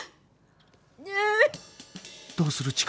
どうする？